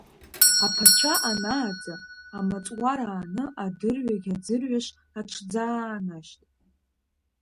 Аԥацәа анааӡа, амаҵуар ааны адырҩагь аӡырҩаш аҽӡаанашьт.